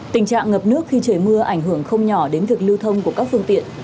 tình trạng ngập nước khi trời mưa ảnh hưởng không nhỏ đến việc lưu thông của các phương tiện